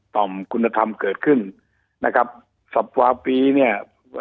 ต่อมคุณธรรมเกิดขึ้นนะครับสับวาปีเนี่ย